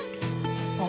あっ。